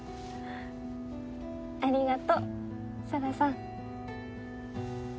ありがとう沙羅さん。